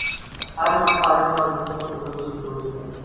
ہر فن پارے میں مضمون کا تسلسل ضروری ہے